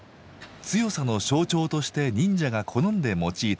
強さの象徴として忍者が好んで用いたものです。